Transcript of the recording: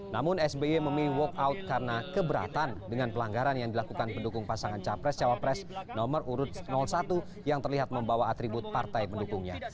namun sby memilih walk out karena keberatan dengan pelanggaran yang dilakukan pendukung pasangan capres cawapres nomor urut satu yang terlihat membawa atribut partai pendukungnya